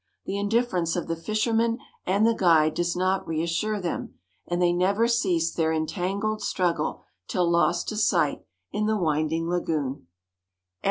The indifference of the fisherman and the guide does not reassure them, and they never cease their entangled struggle till lost to sight in the winding lagoon.